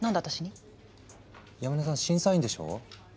山根さん審査員でしょ？